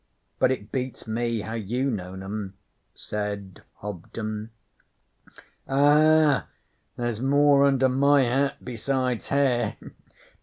But it beats me how you known 'em,' said Hobden. 'Aha! There's more under my hat besides hair?'